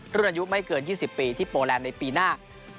รุ่นอายุไม้เกินยี่สิบปีที่โปรแรมในปีหน้า